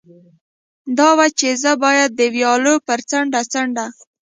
دا وه، چې زه باید د ویالو پر څنډه څنډه.